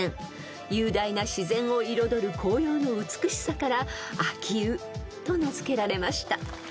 ［雄大な自然を彩る紅葉の美しさから「あきう」と名付けられました］